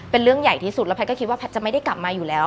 เป็นเรื่องใหญ่ที่สุดแล้วแพทย์ก็คิดว่าแพทย์จะไม่ได้กลับมาอยู่แล้ว